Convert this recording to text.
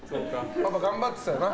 パパ頑張ってたよな。